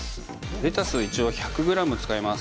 レタスを一応１００ｇ使います